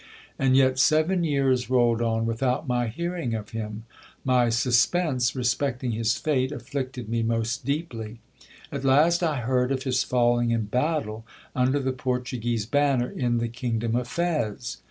And yet seven years rolled on without my hearing of him. My suspense respecting his fate afflicted me most deeply. At last I heard of his falling in battle, under the Portuguese banner, in the king dom of Fez.